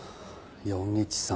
４１３。